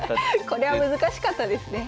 これは難しかったですね。